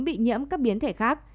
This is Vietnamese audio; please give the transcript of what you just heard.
bị nhiễm các biến thể khác